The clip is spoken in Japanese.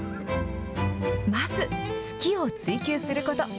まず、好きを追及すること。